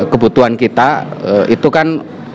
kebutuhan kita itu kan